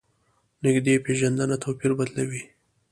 نږدې پېژندنه توپیر بدلوي.